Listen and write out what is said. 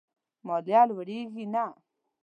ماليه لوړېږي نه.